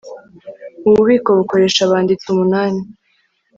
Ububiko bukoresha abanditsi umunani